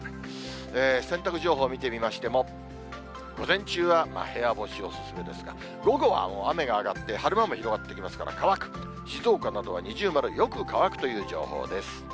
洗濯情報見てみましても、午前中は部屋干し、お勧めですが、午後は雨が上がって、晴れ間も広がってきますから、乾くと、静岡などは二重丸、よく乾くという情報です。